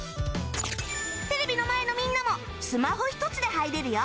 テレビの前のみんなもスマホ１つで入れるよ